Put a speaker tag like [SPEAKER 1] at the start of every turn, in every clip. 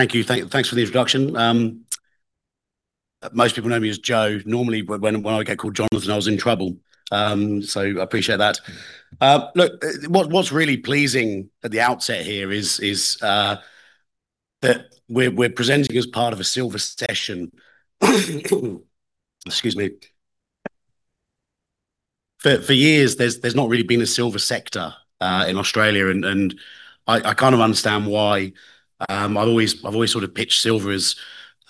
[SPEAKER 1] Thank you, thanks for the introduction. Most people know me as Joe. Normally when I get called Jonathan I was in trouble, so I appreciate that. What's really pleasing at the outset here is that we're presenting as part of a silver session. Excuse me. For years there's not really been a silver sector in Australia. I kind of understand why. I've always sort of pitched silver as,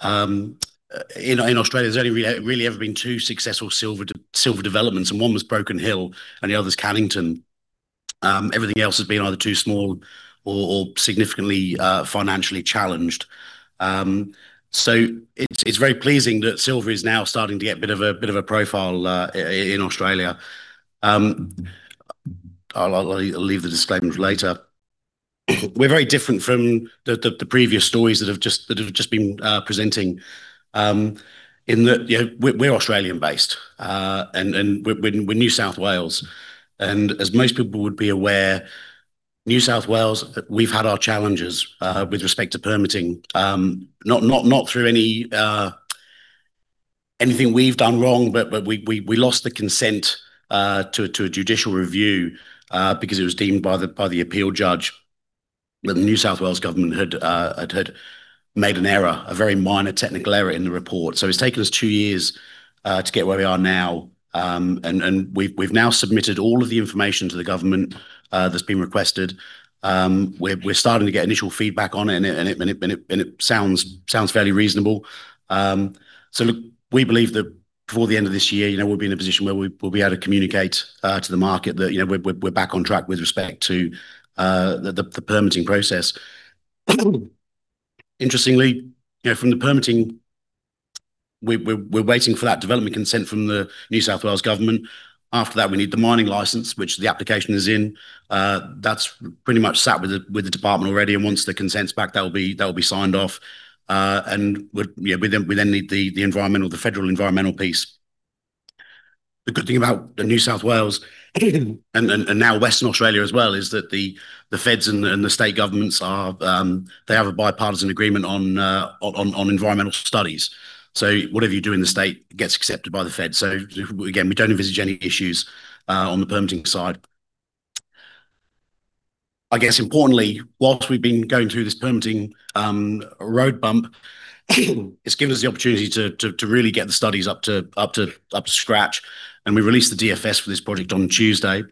[SPEAKER 1] in Australia, there's only really ever been two successful silver developments. One was Broken Hill and the other is Cannington. Everything else has been either too small or significantly financially challenged. It's very pleasing that silver is now starting to get a bit of a profile in Australia. I'll leave the disclaimers later. We're very different from the previous stories that have just been presenting, in that we're Australian-based and we're New South Wales. As most people would be aware, New South Wales, we've had our challenges with respect to permitting. Not through anything we've done wrong. We lost the consent to a judicial review because it was deemed by the appeal judge that the New South Wales government had made an error, a very minor technical error in the report. It's taken us 2 years to get where we are now. We've now submitted all of the information to the government that's been requested. We're starting to get initial feedback on it. It sounds fairly reasonable. We believe that before the end of this year, you know, we'll be in a position where we'll be able to communicate to the market that, you know, we're back on track with respect to the permitting process. Interestingly, you know, from the permitting, we're waiting for that development consent from the New South Wales government. After that, we need the mining license, which the application is in. That's pretty much sat with the department already. Once the consent's back, that'll be signed off. Yeah, we then need the environmental, the federal environmental piece. The good thing about New South Wales, and now Western Australia as well, is that the feds and the state governments are, they have a bipartisan agreement on environmental studies. Whatever you do in the state gets accepted by the feds. Again, we don't envisage any issues on the permitting side. I guess, importantly, whilst we've been going through this permitting road bump, it's given us the opportunity to really get the studies up to scratch. We released the DFS for this project on Tuesday.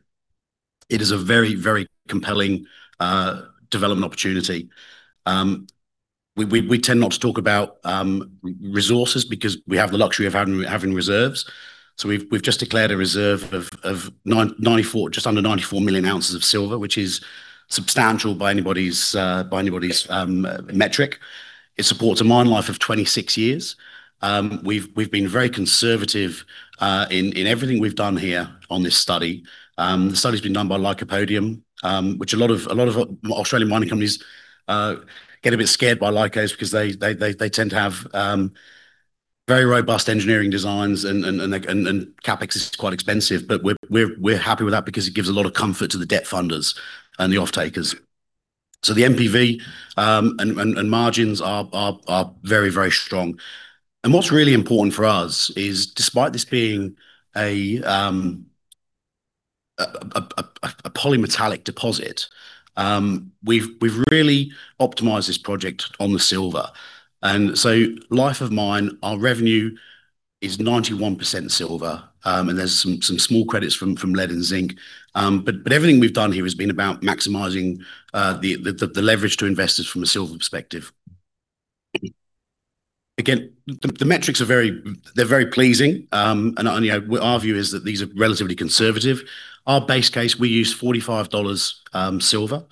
[SPEAKER 1] It is a very, very compelling development opportunity. We tend not to talk about resources because we have the luxury of having reserves. We've just declared a reserve of 94, just under 94 million ounces of silver, which is substantial by anybody's metric. It supports a mine life of 26 years. We've been very conservative in everything we've done here on this study. The study has been done by Lycopodium, which a lot of Australian mining companies get a bit scared by Lycopodium because they tend to have very robust engineering designs. CAPEX is quite expensive. We're happy with that because it gives a lot of comfort to the debt funders and the off-takers. The NPV and margins are very, very strong. What's really important for us is, despite this being a polymetallic deposit, we've really optimized this project on the silver. Life of Mine, our revenue is 91% silver, and there's some small credits from lead and zinc. Everything we've done here has been about maximizing the leverage to investors from a silver perspective. Again, the metrics are very pleasing, and our view is that these are relatively conservative. Our base case, we use 45 dollars silver.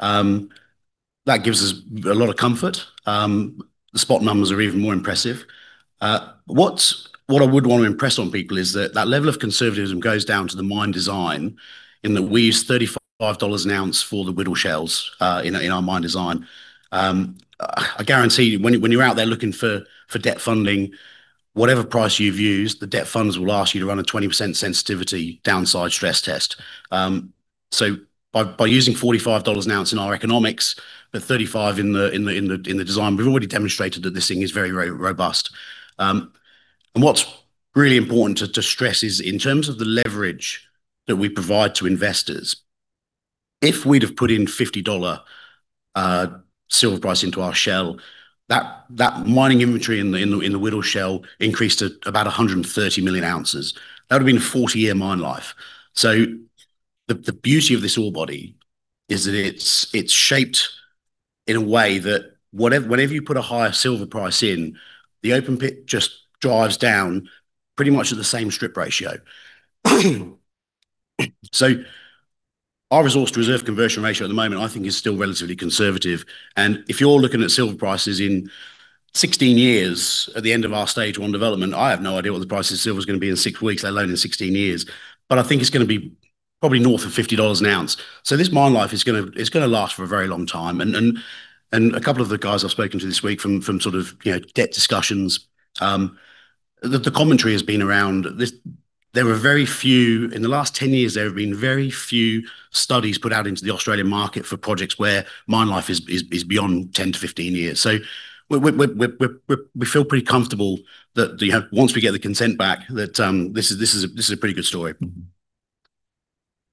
[SPEAKER 1] That gives us a lot of comfort. The spot numbers are even more impressive. What I would want to impress on people is that that level of conservatism goes down to the mine design, in that we use 35 dollars an ounce for the Whittle shells in our mine design. I guarantee you, when you're out there looking for debt funding, whatever price you've used, the debt funders will ask you to run a 20% sensitivity downside stress test. By using 45 dollars an ounce in our economics, but 35 in the design, we've already demonstrated that this thing is very robust. What's really important to stress is, in terms of the leverage that we provide to investors, if we'd have put in AUD 50 silver price into our shell, that mining inventory in the Whittle shell increased to about 130 million ounces. That would have been 40-year mine life. The beauty of this ore body is that it's shaped in a way that whenever you put a higher silver price in, the open pit just drives down pretty much at the same strip ratio. Our resource-to-reserve conversion ratio at the moment, I think, is still relatively conservative. If you're looking at silver prices in 16 years at the end of our stage 1 development, I have no idea what the price of silver is going to be in 6 weeks, let alone in 16 years. I think it's going to be probably north of 50 dollars an ounce. This mine life is going to last for a very long time. A couple of the guys I've spoken to this week from sort of debt discussions, the commentary has been around this. There were very few, in the last 10 years, there have been very few studies put out into the Australian market for projects where mine life is beyond 10-15 years. We feel pretty comfortable that once we get the consent back, that this is a pretty good story.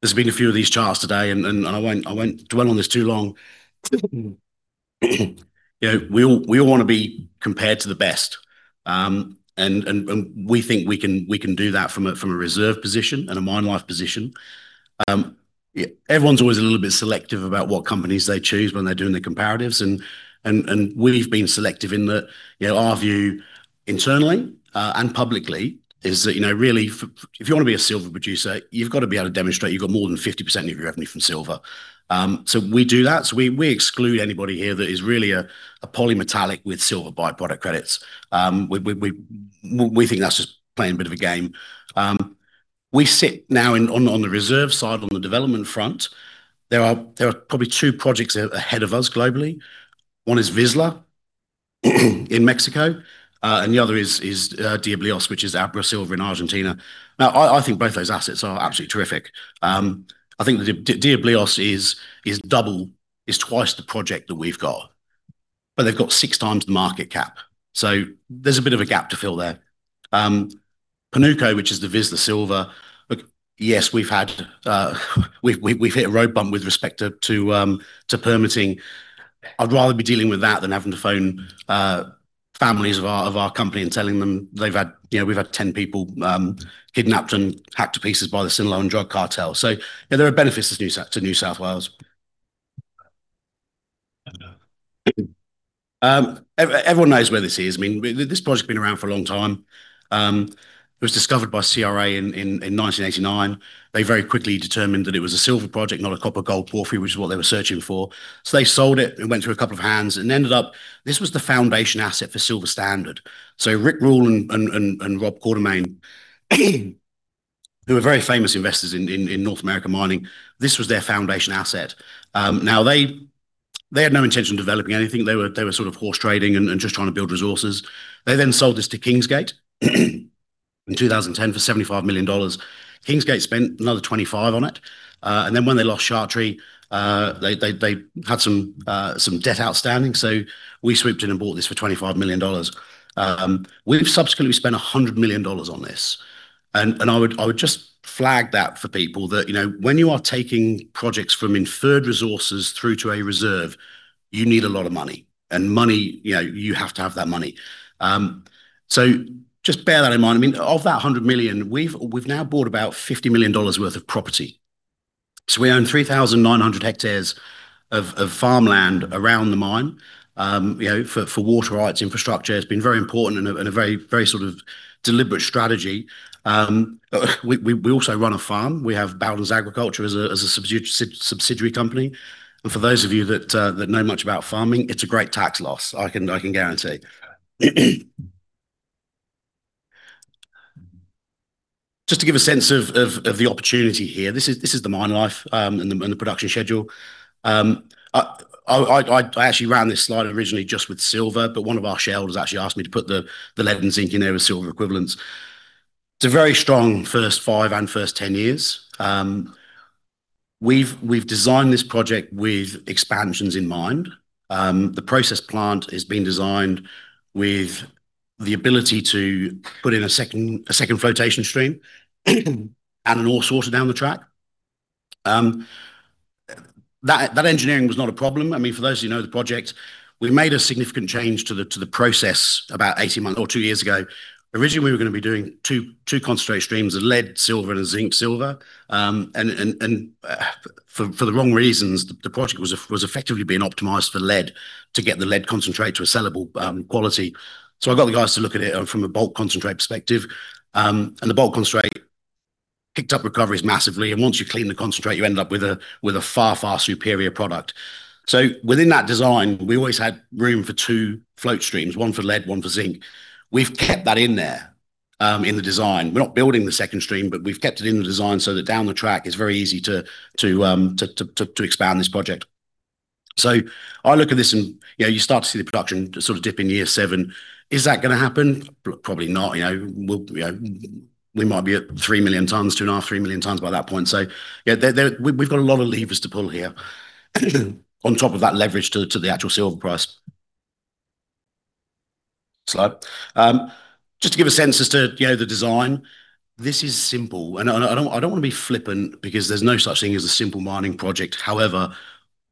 [SPEAKER 1] There's been a few of these charts today. I won't dwell on this too long. We all want to be compared to the best. We think we can do that from a reserve position and a mine life position. Everyone's always a little bit selective about what companies they choose when they're doing the comparatives. We've been selective in that. Our view internally and publicly is that really, if you want to be a silver producer, you've got to be able to demonstrate you've got more than 50% of your revenue from silver. We do that. We exclude anybody here that is really a polymetallic with silver byproduct credits. We think that's just playing a bit of a game. We sit now on the reserve side on the development front. There are probably two projects ahead of us globally. One is Vizsla in Mexico, the other is Diablillos, which is our silver in Argentina. I think both those assets are absolutely terrific. I think the Diablillos is twice the project that we've got, but they've got six times the market cap. There's a bit of a gap to fill there. Panuco, which is the Vizsla silver, look, yes, we've hit a road bump with respect to permitting. I'd rather be dealing with that than having to phone families of our company and telling them they've had, you know, we've had 10 people kidnapped and hacked to pieces by the Sinaloa Cartel. Yeah, there are benefits to New South Wales. Everyone knows where this is. I mean, this project has been around for a long time. It was discovered by CRA in 1989. They very quickly determined that it was a silver project, not a copper gold porphyry, which is what they were searching for. They sold it and went through a couple of hands and ended up, this was the foundation asset for Silver Standard. Rick Rule and Rob McEwen, who are very famous investors in North American mining, this was their foundation asset. They had no intention of developing anything. They were sort of horse trading and just trying to build resources. They sold this to Kingsgate in 2010 for 75 million dollars. Kingsgate spent another 25 on it. When they lost Chatree, they had some debt outstanding, so we swooped in and bought this for 25 million dollars. We've subsequently spent 100 million dollars on this. I would just flag that for people that, you know, when you are taking projects from inferred resources through to a reserve, you need a lot of money. Money, you know, you have to have that money. Just bear that in mind. I mean, of that 100 million, we've now bought about 50 million dollars worth of property. We own 3,900 hectares of farmland around the mine, you know, for water rights, infrastructure. It's been very important and a very sort of deliberate strategy. We also run a farm. We have Bowden's Agriculture as a subsidiary company. For those of you that know much about farming, it's a great tax loss, I can guarantee. Just to give a sense of the opportunity here, this is the mine life and the production schedule. I actually ran this slide originally just with silver, but one of our shareholders actually asked me to put the lead and zinc in there as silver equivalents. It's a very strong first five and first 10 years. We've designed this project with expansions in mind. The process plant has been designed with the ability to put in a second flotation stream and an awes water down the track. That engineering was not a problem. I mean, for those of you who know the project, we made a significant change to the process about 18 months or 2 years ago. Originally we were going to be doing two concentrated streams, a lead silver and a zinc silver. For the wrong reasons, the project was effectively being optimized for lead, to get the lead concentrate to a sellable quality. I got the guys to look at it from a bulk concentrate perspective. The bulk concentrate picked up recoveries massively, and once you clean the concentrate, you end up with a far, far superior product. Within that design, we always had room for two float streams, one for lead, one for zinc. We've kept that in there in the design. We're not building the second stream, but we've kept it in the design so that down the track it's very easy to expand this project. I look at this and, you know, you start to see the production sort of dip in year seven. Is that going to happen? Probably not, you know. We might be at 3 million tons, 2.5, 3 million tons by that point. Yeah, we've got a lot of levers to pull here, on top of that leverage to the actual silver price. Slide. Just to give a sense as to, you know, the design, this is simple. I don't want to be flippant because there's no such thing as a simple mining project. However,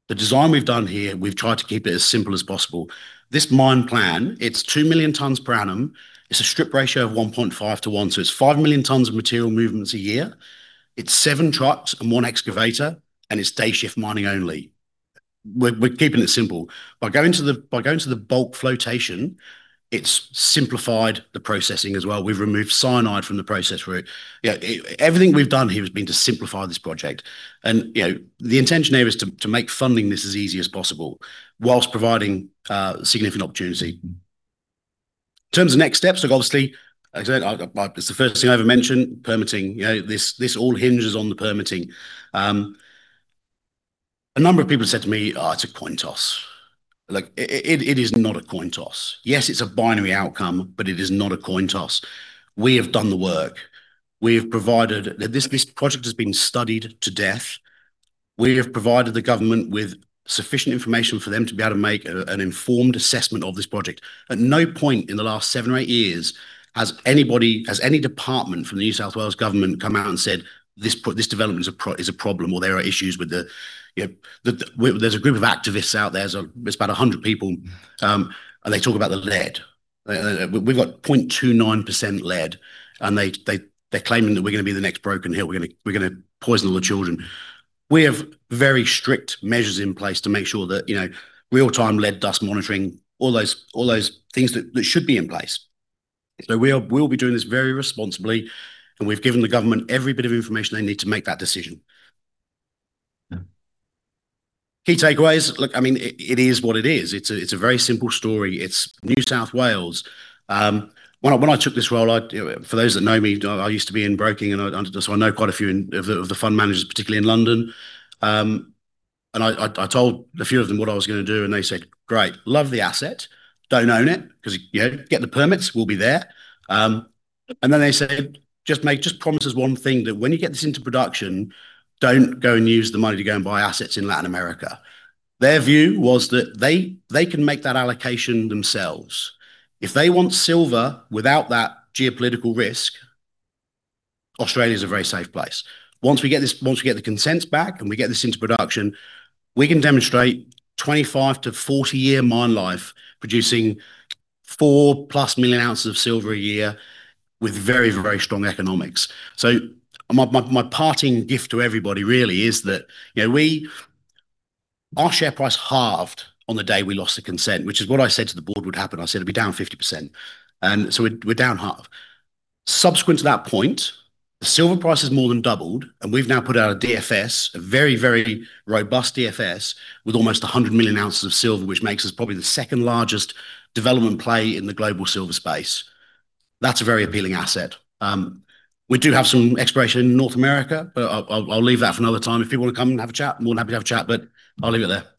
[SPEAKER 1] the design we've done here, we've tried to keep it as simple as possible. This mine plan, it's 2 million tons per annum. It's a strip ratio of 1.5 to 1. It's 5 million tons of material movements a year. It's seven trucks and one excavator, and it's day-shift mining only. We're keeping it simple. By going to the bulk flotation, it's simplified the processing as well. We've removed cyanide from the process. You know, everything we've done here has been to simplify this project. You know, the intention here is to make funding this as easy as possible whilst providing significant opportunity. In terms of next steps, look, obviously, it's the first thing I ever mentioned, permitting. You know, this all hinges on the permitting. A number of people said to me, "Oh, it's a coin toss." Look, it is not a coin toss. Yes, it's a binary outcome, but it is not a coin toss. We have done the work. This project has been studied to death. We have provided the government with sufficient information for them to be able to make an informed assessment of this project. At no point in the last seven or eight years has any department from the New South Wales government come out and said, "This development is a problem," or, "There are issues with the," you know, there's a group of activists out there, it's about 100 people, and they talk about the lead. We've got 0.29% lead, and they're claiming that we're going to be the next Broken Hill, we're going to poison all the children. We have very strict measures in place to make sure that, you know, real-time lead dust monitoring, all those things that should be in place. We'll be doing this very responsibly, and we've given the government every bit of information they need to make that decision. Key takeaways, look, I mean, it is what it is. It's a very simple story. It's New South Wales. When I took this role, for those that know me, I used to be in broking, I know quite a few of the fund managers, particularly in London. I told a few of them what I was going to do, and they said, "Great, love the asset, don't own it," because, you know, get the permits, we'll be there. They said, "Just promise us one thing, that when you get this into production, don't go and use the money to go and buy assets in Latin America." Their view was that they can make that allocation themselves. If they want silver without that geopolitical risk, Australia is a very safe place. Once we get the consents back and we get this into production, we can demonstrate 25 to 40-year mine life producing 4+ million ounces of silver a year with very, very strong economics. My parting gift to everybody really is that, you know, our share price halved on the day we lost the consent, which is what I said to the board would happen. I said, "It'll be down 50%." We're down half. Subsequent to that point, the silver price has more than doubled, we've now put out a DFS, a very, very robust DFS, with almost 100 million ounces of silver, which makes us probably the second largest development play in the global silver space. That's a very appealing asset. We do have some exploration in North America, but I'll leave that for another time. If you want to come and have a chat, more than happy to have a chat, but I'll leave it there.